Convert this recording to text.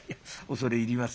恐れ入ります。